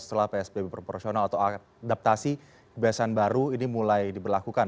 setelah psbb proporsional atau adaptasi kebiasaan baru ini mulai diberlakukan